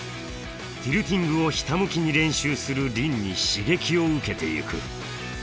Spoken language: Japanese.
ティルティングをひたむきに練習する凛に刺激を受けてゆく。